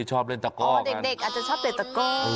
ชอบเล่นตะก้อเด็กอาจจะชอบเล่นตะก้อ